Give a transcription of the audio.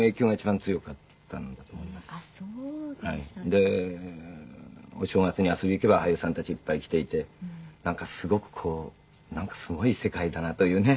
でお正月に遊びに行けば俳優さんたちいっぱい来ていてなんかすごくこうすごい世界だなというね。